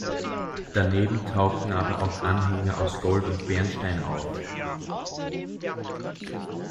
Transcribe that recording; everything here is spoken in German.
Daneben tauchen aber auch Anhänger aus Gold und Bernstein auf.